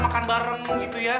makan bareng gitu ya